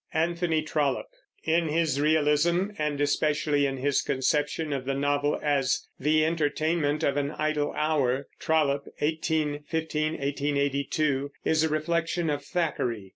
ANTHONY TROLLOPE. In his realism, and especially in his conception of the novel as the entertainment of an idle hour, Trollope (1815 1882) is a reflection of Thackeray.